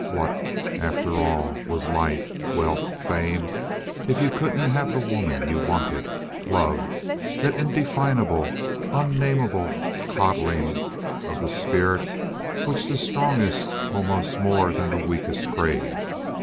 What, after all, was life, wealth, fame, if you couldn't have the woman you wanted—love, that indefinable, unnamable coddling of the spirit which the strongest almost more than the weakest crave?